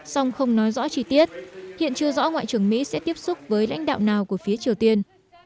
song không nói rõ chi tiết hiện chưa rõ ngoại trưởng mỹ sẽ tiếp xúc với lãnh đạo nào của phía triều tiên